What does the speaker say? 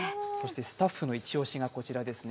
スタッフのイチ押しがこちらですね。